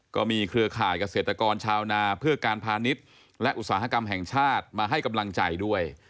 เครือข่ายเกษตรกรชาวนาเพื่อการพาณิชย์และอุตสาหกรรมแห่งชาติมาให้กำลังใจด้วย